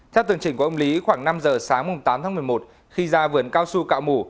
theo tường trình của ông lý khoảng năm giờ sáng tám tháng một mươi một khi ra vườn cao su cạo mủ